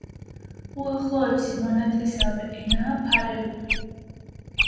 უახლოესი მონათესავე ენაა ფარერული.